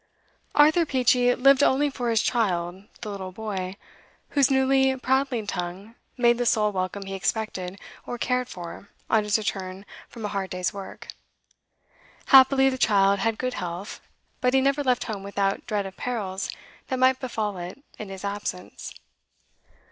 Arthur Peachey lived only for his child, the little boy, whose newly prattling tongue made the sole welcome he expected or cared for on his return from a hard day's work. Happily the child had good health, but he never left home without dread of perils that might befall it in his absence.